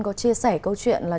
có chia sẻ câu chuyện là